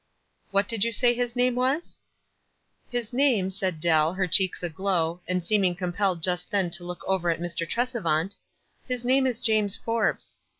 "What did you say his name was?" "His name," said Dell, her checks aglow, and seeming compelled just then to look over at Mr. Tresevant ;" his name is James Forbes."